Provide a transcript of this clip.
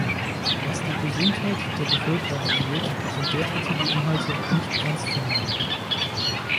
Was die Gesundheit der Bevölkerung angeht, sind derartige Inhalte nicht ernstzunehmen.